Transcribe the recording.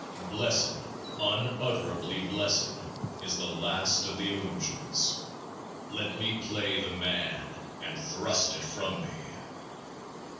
Blessed, unutterably blessed, is this last of the illusions ; let me play the man, and thrust it from me